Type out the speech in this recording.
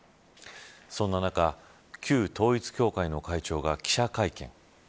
そんな中、旧統一教会の会長が記者会見。